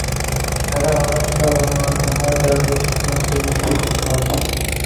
Madam, আগামীকাল আমার আধার কার্ডের ঠিকানা, পরিবর্তন করতে হবে।